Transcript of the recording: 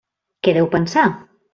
Què deu pensar?